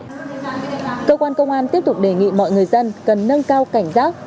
cơ quan công an tiếp tục đề nghị mọi người dân cần nâng cao cảnh giác